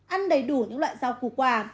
ba ăn đầy đủ những loại rau củ quả